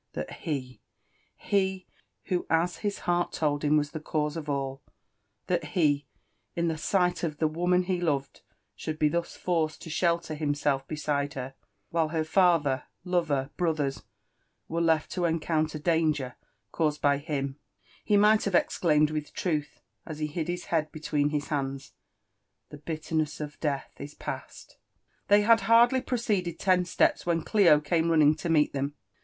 *• That he, — he, who as hU heart (oid hjni wa9 (he cause of all,— that he, in the sight of the woman he Ipyeil, ahould be thus forced to ^heltpr himself beside her, whi|e her fatheft lover, brothers, were left |o ^ncpuoter danger, paused by him l^r—ho might have OKclainied with truth, as he hid his hoad hotweon hlf bands, \*> The biMernpss of death is past T' Th^y h^d hardly proceeded ten steps, when Clio came r^npil9 to meet them.